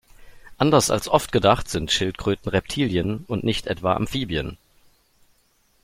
Anders als oft gedacht sind Schildkröten Reptilien, und nicht etwa Amphibien.